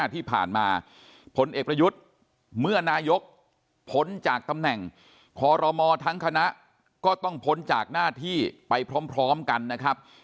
ที่ผ่านมาผลเอกประยุทธ์เมื่อนายกพ้นจากตำแหน่งคอรมอทั้งคณะก็ต้องพ้นจากหน้าที่ไปพร้อมกันนะครับ